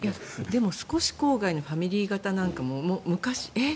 でも、少し郊外のファミリー型なんかもえっ？